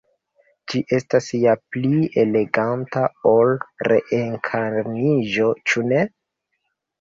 Ĝi estas ja pli eleganta ol reenkarniĝo, ĉu ne?